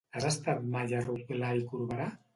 Has estat mai a Rotglà i Corberà?